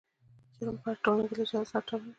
جرم په هره ټولنه کې له جزا سره تړلی دی.